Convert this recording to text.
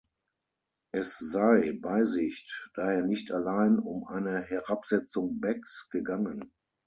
Es sei Beisicht daher nicht allein um eine Herabsetzung Becks gegangen.